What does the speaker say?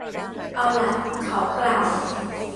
เอาล่ะ เขากล่าว